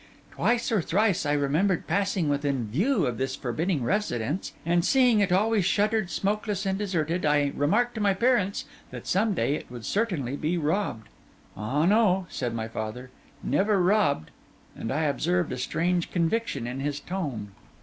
Twice or thrice I remember passing within view of this forbidding residence; and seeing it always shuttered, smokeless, and deserted, I remarked to my parents that some day it would certainly be robbed. 'Ah, no,' said my father, 'never robbed;' and I observed a strange conviction in his tone.